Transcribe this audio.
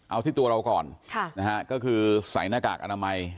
เอาที่ตัวเราก่อนก็คือใส่หน้ากากอนามัย